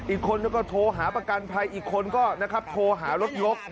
อีกคนก็โทรหาประกันภัยอีกคนก็นะครับโทรหารถยก